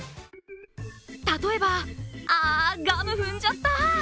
例えば、あガム踏んじゃった！